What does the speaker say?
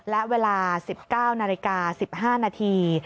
และเวลา๑๙นาฬิกา๑๕นาที